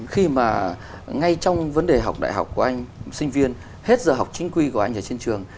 khi mà ngay trong vấn đề học đại học của anh sinh viên hết giờ học chính quy của anh ở trên trường